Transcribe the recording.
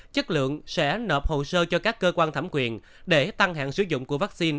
chất lượng sẽ nộp hồ sơ cho các cơ quan thẩm quyền để tăng hạn sử dụng của vaccine